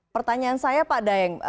pertanyaan saya pak dayeng